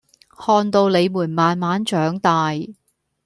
看到你們慢慢長大